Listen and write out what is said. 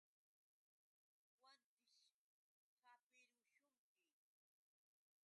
Wantićh hapirushunki.